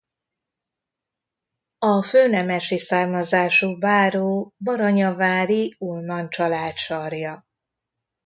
A főnemesi származású báró baranyavári Ullmann család sarja.